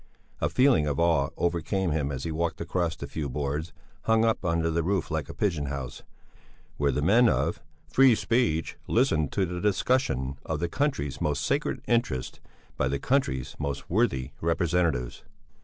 A feeling of awe overcame him as he walked across the few boards, hung up under the roof like a pigeon house, where the men of "free speech listen to the discussion of the country's most sacred interests by the country's most worthy representatives."